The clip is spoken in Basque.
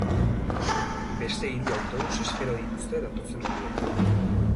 Beste hiru autobus espero dituzte datozen orduetan.